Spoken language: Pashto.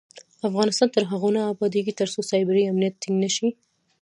افغانستان تر هغو نه ابادیږي، ترڅو سایبري امنیت ټینګ نشي.